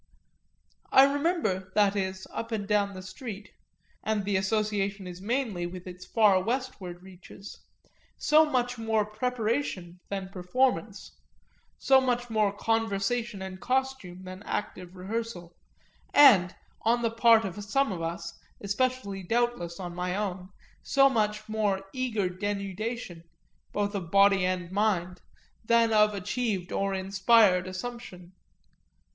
I remember, that is, up and down the street and the association is mainly with its far westward reaches so much more preparation than performance, so much more conversation and costume than active rehearsal, and, on the part of some of us, especially doubtless on my own, so much more eager denudation, both of body and mind, than of achieved or inspired assumption.